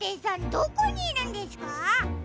どこにいるんですか？